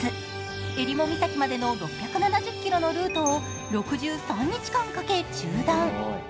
襟裳岬までの６７０ｋｍのルートを６３日間かけ縦断。